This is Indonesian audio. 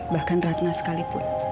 bahkan ratna sekalipun